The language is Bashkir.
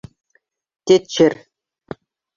Тетчер!